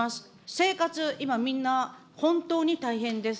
生活、今みんな本当に大変です。